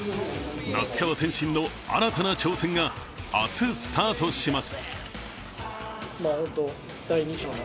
那須川天心の新たな挑戦が明日、スタートします。